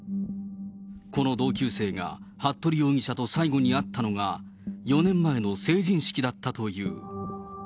この同級生が服部容疑者と最後に会ったのが、４年前の成人式だったという。